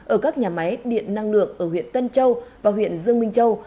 ở các nhà máy điện năng lượng ở huyện tân châu và huyện dương minh châu